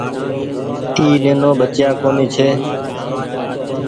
اي نينو ٻچئيآ ڪونيٚ ڇي۔